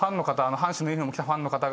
阪神のユニホーム着たファンの方が。